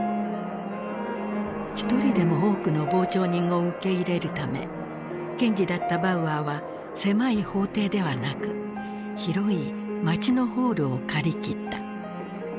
一人でも多くの傍聴人を受け入れるため検事だったバウアーは狭い法廷ではなく広い街のホールを借り切った。